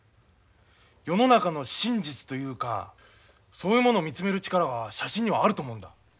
世の中の真実というかそういうものを見つめる力が写真にはあると思うんだ。